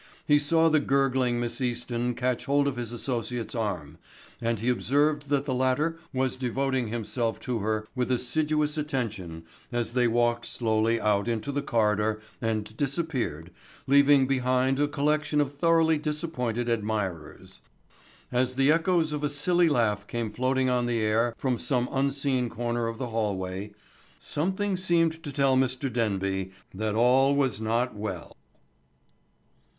He saw the gurgling Miss Easton catch hold of his associate's arm and he observed that the latter was devoting himself to her with assiduous attention as they walked slowly out into the corridor and disappeared, leaving behind a collection of thoroughly disappointed admirers. As the echoes of a silly laugh came floating on the air from some unseen corner of the hallway, something seemed to tell Mr. Denby that all was not well.